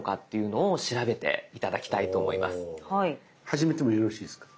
始めてもよろしいですか？